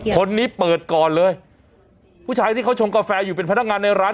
คนนี้เปิดก่อนเลยผู้ชายที่เขาชงกาแฟอยู่เป็นพนักงานในร้าน